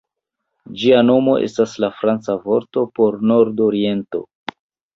Ĝia nomo estas la franca vorto por "nord-oriento".